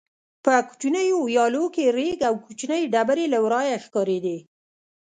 په کوچنیو ویالو کې رېګ او کوچنۍ ډبرې له ورایه ښکارېدې.